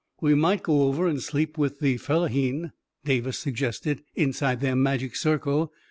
" We might go over and sleep with the fellahin," Davis suggested, " inside their magic circle.